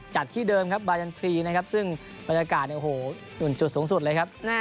ที่เดิมครับบายันทรีย์นะครับซึ่งบรรยากาศเนี่ยโอ้โห๑จุดสูงสุดเลยครับ